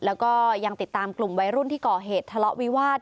แล้วก็ยังติดตามกลุ่มวัยรุ่นที่ก่อเหตุทะเลาะวิวาส